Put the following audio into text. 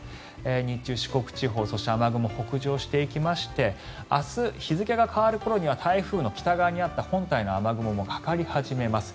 日中、四国地方そして雨雲、北上していきまして明日、日付が変わる頃には台風の北側にあった本体の雨雲もかかり始めます。